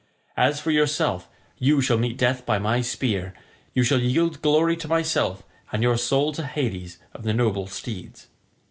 As for yourself, you shall meet death by my spear. You shall yield glory to myself, and your soul to Hades of the noble steeds."